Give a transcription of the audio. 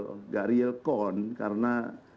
tidak realcon karena